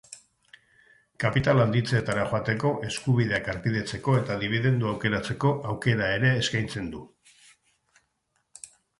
Kapital handitzeetara joateko, eskubideak harpidetzeko eta dibidendua aukeratzeko aukera ere eskaintzen du.